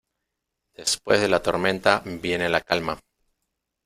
Después de la tormenta viene la calma.